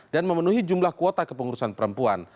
dan memenuhi jumlah kuota kepengurusan perempuan